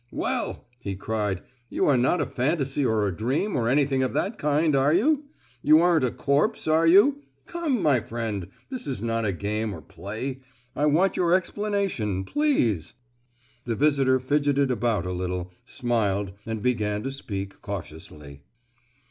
"Well?" he cried, "you are not a fantasy or a dream or anything of that kind, are you? You aren't a corpse, are you? Come, my friend, this is not a game or play. I want your explanation, please!" The visitor fidgeted about a little, smiled, and began to speak cautiously.